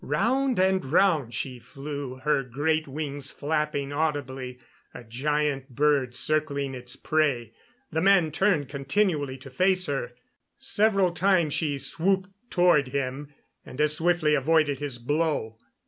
Round and round she flew, her great wings flapping audibly, a giant bird circling its prey. The man turned continually to face her. Several times she swooped toward him, and as swiftly avoided his blow.